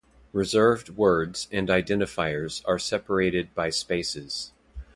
Reserved words and identifiers are separated by spaces.